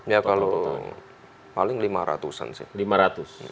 ya kalau paling lima ratus an sih